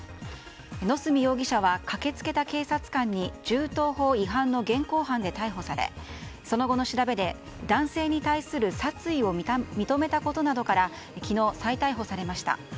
野角容疑者は駆けつけた警察官に銃刀法違反の現行犯で逮捕されその後の調べで、男性に対する殺意を認めたことなどから昨日、再逮捕されました。